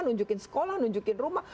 nunjukin sekolah nunjukin rumah